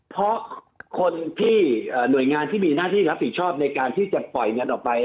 เพราะคนที่หน่วยงานที่มีหน้าที่รับผิดชอบในการที่จะปล่อยเงินออกไป